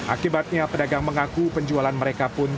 akibatnya pedagang mengaku penjualan mereka pun